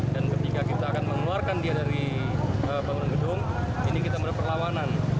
dan ketika kita akan mengeluarkan dia dari bangunan gedung ini kita merupakan perlawanan